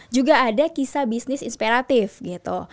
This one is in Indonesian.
juga ada kisah bisnis inspiratif gitu